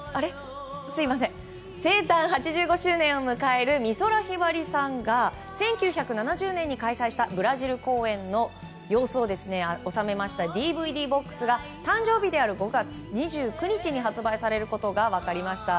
生誕８５周年を迎える美空ひばりさんが１９７０年に開催したブラジル公演の様子を収めましたＤＶＤボックスが誕生日の５月２９日に発売されることが分かりました。